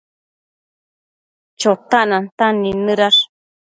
Chotac nantan nidnëdash